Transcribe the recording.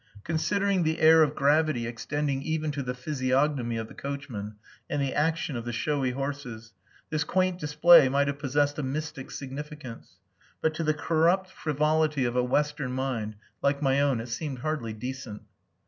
Considering the air of gravity extending even to the physiognomy of the coachman and the action of the showy horses, this quaint display might have possessed a mystic significance, but to the corrupt frivolity of a Western mind, like my own, it seemed hardly decent.